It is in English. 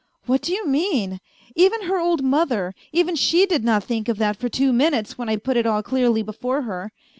" What do you mean ? Even her old mother, even she did not think of that for two minutes when I put it all clearly before her.